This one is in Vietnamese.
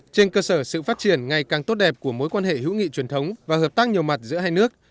trên cơ sở sự phát triển ngày càng tốt đẹp của mối quan hệ hữu nghị truyền thống và hợp tác nhiều mặt giữa hai nước